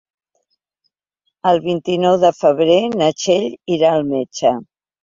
El vint-i-nou de febrer na Txell irà al metge.